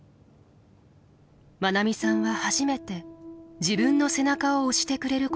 まなみさんは初めて自分の背中を押してくれる言葉と出会った。